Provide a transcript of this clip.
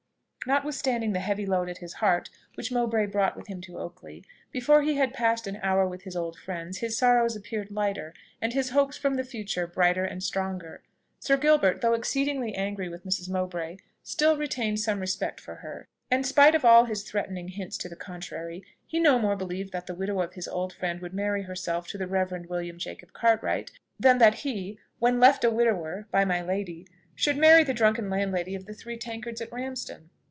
Notwithstanding the heavy load at his heart which Mowbray brought with him to Oakley, before he had passed an hour with his old friends his sorrows appeared lighter, and his hopes from the future brighter and stronger. Sir Gilbert, though exceedingly angry with Mrs. Mowbray, still retained some respect for her; and, spite of all his threatening hints to the contrary, he no more believed that the widow of his old friend would marry herself to the Reverend William Jacob Cartwright, than that he, when left a widower by my lady, should marry the drunken landlady of the Three Tankards at Ramsden.